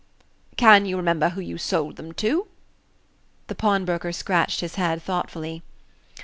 "Can you remember who you sold 'em to?" The pawnbroker scratched his head thoughtfully.